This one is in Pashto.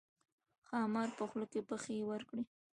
ښامار په خوله کې پښې ورکړې.